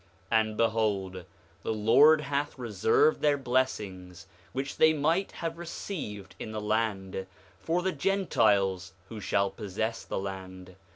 5:19 And behold, the Lord hath reserved their blessings, which they might have received in the land, for the Gentiles who shall possess the land.